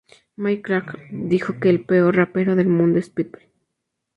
Michael Cragg dijo que "el peor rapero del mundo es Pitbull.